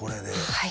はい。